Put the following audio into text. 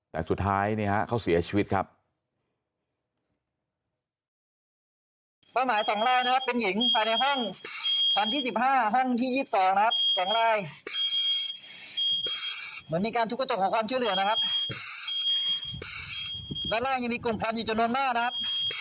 แต่สุดท้ายเนี่ยฮะเขาเสียชีวิตครับ